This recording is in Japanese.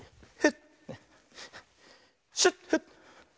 シュッフッ！